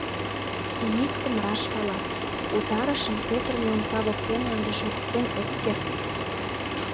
И иктым раш пала: Утарышым петырыме омса воктене ынде шогыктен ок керт.